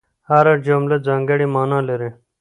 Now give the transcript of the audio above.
هره جمله ځانګړې مانا لري.